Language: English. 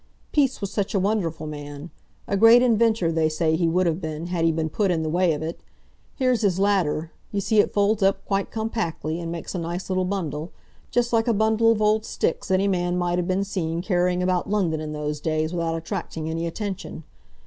Peace was such a wonderful man! A great inventor they say he would have been, had he been put in the way of it. Here's his ladder; you see it folds up quite compactly, and makes a nice little bundle—just like a bundle of old sticks any man might have been seen carrying about London in those days without attracting any attention.